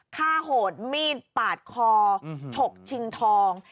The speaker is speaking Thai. ฆ่าโหดมีดปาดคอฉกชิงทอง